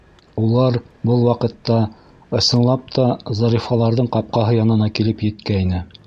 Улар был ваҡытта, ысынлап та, Зарифаларҙың ҡапҡаһы янына килеп еткәйне.